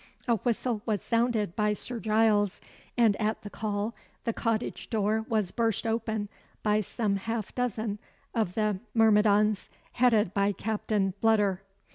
A whistle was sounded by Sir Giles; and at the call the cottage door was burst open by some half dozen of the myrmidons, headed by Captain Bludder.